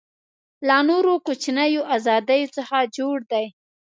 له نورو کوچنیو آزادیو څخه جوړ دی.